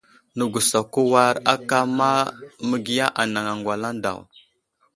Nəgusako war aka ma məgiya anaŋ aŋgwalaŋ daw.